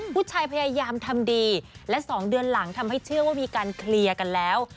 ผู้ชายพยายามทำดีและ๒เดือนหลังทำให้เชื่อว่ามีการเคลียร์กันแล้ว